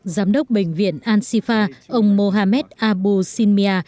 giám đốc bệnh viện al shifa ông mohammed abu sinmia